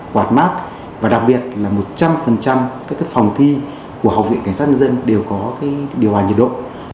quạt mắt và đặc biệt là một trăm linh các cái phòng thi của học viện cảnh sát nhân dân đều có điều hành nhiệt độ